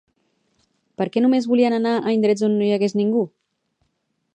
Per què només volien anar a indrets on no hi hagués ningú?